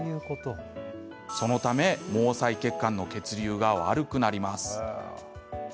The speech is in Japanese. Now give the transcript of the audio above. そのため毛細血管の血流が悪くなります。